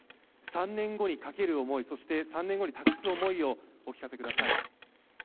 ３年後にかける思い、そして３年後に託す思いをお聞かせください。